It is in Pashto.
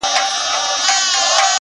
• ما ته دي نه ګوري قلم قلم یې کړمه,